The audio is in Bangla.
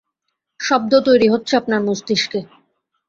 শব্দ তৈরি হচ্ছে আপনার মস্তিষ্কে।